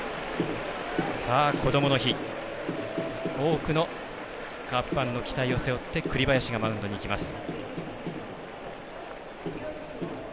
こどもの日多くのカープファンの期待を背負って栗林がマウンドに行きます。